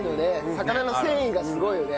魚の繊維がすごいよね。